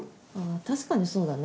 確かにそうだね。